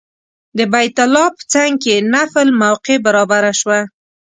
د بیت الله په څنګ کې نفل موقع برابره شوه.